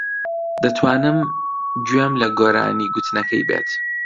دەتوانم گوێم لە گۆرانی گوتنەکەی بێت.